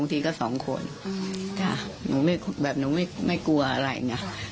อีกทีก็สองคนอืมจ้ะหนูไม่แบบหนูไม่ไม่กลัวอะไรไง